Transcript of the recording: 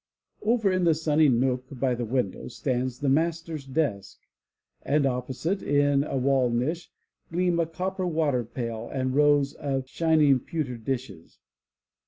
Over in the sunny nook by the window stands the master's desk, and opposite, in a wall niche, gleam a copper water pail and rows of shining pewter dishes.